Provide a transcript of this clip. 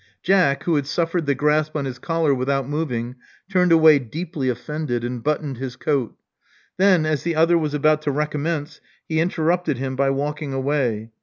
Jack, who had suffered the grasp on his collar without moving, turned away deeply offended, and buttoned his coat. Then, as the other was about to recommence, he interrupted him by walking away.